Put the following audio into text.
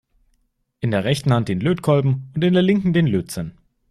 In der rechten Hand den Lötkolben und in der linken den Lötzinn.